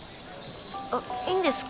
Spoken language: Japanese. あっいいんですか？